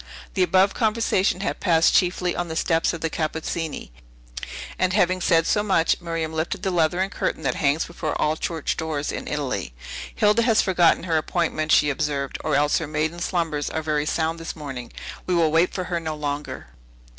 The above conversation had passed chiefly on the steps of the Cappuccini; and, having said so much, Miriam lifted the leathern curtain that hangs before all church doors in italy. "Hilda has forgotten her appointment," she observed, "or else her maiden slumbers are very sound this morning. We will wait for her no longer."